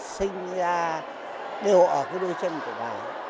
sinh ra đều ở cái đôi chân của bà ấy